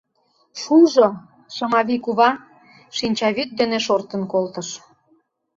Шужо, Шымавий кува! — шинчавӱд дене шортын колтыш.